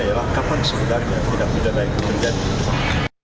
adalah kapan sebenarnya tidak bisa naik keberdianan